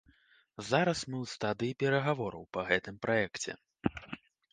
Зараз мы ў стадыі перагавораў па гэтым праекце.